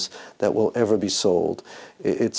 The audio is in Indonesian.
sangat sulit untuk dikatakan